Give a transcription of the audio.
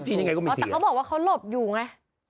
แต่เขาบอกว่าเขารบอยู่ไง